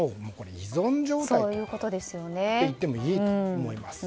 依存状態といってもいいと思います。